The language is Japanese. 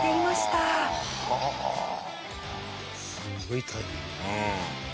はあすごいタイミング。